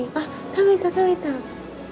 食べた食べた。